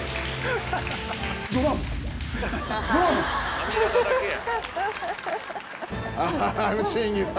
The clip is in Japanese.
髪形だけや。